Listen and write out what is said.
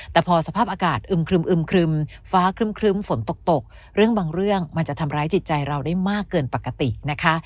แต่พอสภาพอากาศอึมครึมครึมฟ้าครึ้มฝนตกตกเรื่องบางเรื่องมันจะทำร้ายจิตใจเราได้มากเกินปกตินะคะ